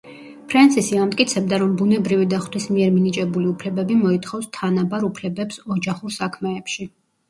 ფრენსისი ამტკიცებდა, რომ ბუნებრივი და ღვთის მიერ მინიჭებული უფლებები მოითხოვს თანაბარ უფლებებს ოჯახურ საქმეებში.